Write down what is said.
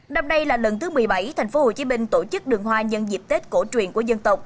đồng đây là lần thứ một mươi bảy thành phố hồ chí minh tổ chức đường hoa nhân dịp tết cổ truyền của dân tộc